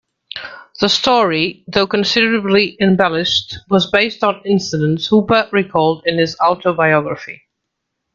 The story, though considerably embellished, was based on incidents Hooper recalled in his autobiography.